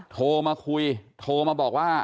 โทรมาคุยโทรมาบอกว่า